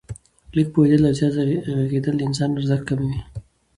لږ پوهېدل او زیات ږغېدل د انسان ارزښت کموي.